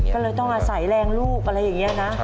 ก็เลยต้องอาศัยแรงลูกอะไรอย่างนี้นะ